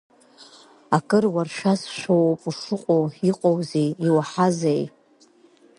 Акы уаршәазшәоуп ушыҟоу, иҟоузеи, иуаҳазеи?